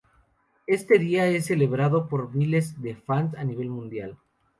Este día es celebrado por miles de Fans a nivel mundial.